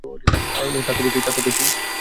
তা তো গেছই।